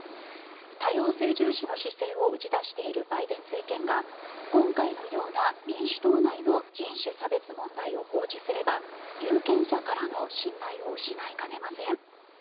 多様性重視の姿勢を打ち出しているバイデン政権が今回のような民主党内の人種差別問題を放置すれば有権者からの信頼を失いかねません。